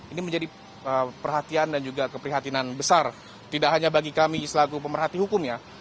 ini menjadi perhatian dan juga keprihatinan besar tidak hanya bagi kami selaku pemerhati hukum ya